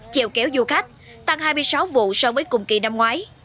chèo kéo du khách tăng hai mươi sáu vụ so với cùng kỳ năm ngoái